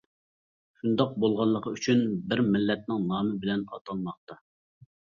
شۇنداق بولغانلىقى ئۈچۈن بىر مىللەتنىڭ نامى بىلەن ئاتالماقتا.